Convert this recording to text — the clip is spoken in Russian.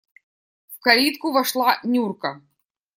В калитку вошла Нюрка.